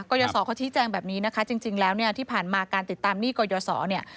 กรยศเขาชี้แจงแบบนี้นะคะจริงแล้วเนี่ยที่ผ่านมาการติดตามหนี้กรยศรเนี่ย